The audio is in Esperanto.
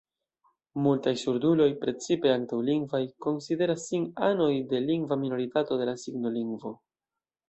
Multaj surduloj, precipe antaŭ-lingvaj, konsideras sin anoj de lingva minoritato de la signolingvo.